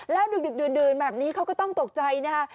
แล้วดึกดื่นแบบนี้เขาก็ต้องตกใจนะคะ